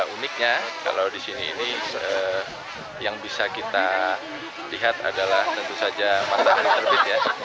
uniknya kalau di sini ini yang bisa kita lihat adalah tentu saja matahari terbit ya